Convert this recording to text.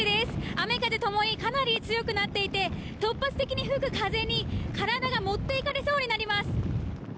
雨・風ともにかなり強くなっていて突発的に吹く風に体が持っていかれそうになります。